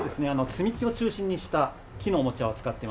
積み木を中心にした木のおもちゃを扱っています。